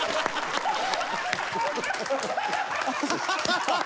ハハハハ！